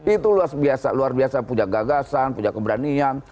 itu luar biasa punya gagasan punya keberanian